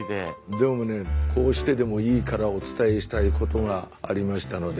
でもねこうしてでもいいからお伝えしたいことがありましたので。